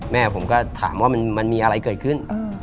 แม่ผมก็ถามว่ามันมีอะไรเกิดขึ้น